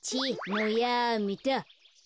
もうやめた。